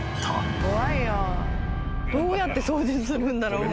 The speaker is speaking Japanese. どうやって掃除するんだろう？